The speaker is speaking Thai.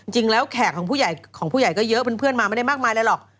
จริงแล้วแขกของผู้ใหญ่ก็เยอะเพื่อนมาไม่ได้มากมายเลยหรอก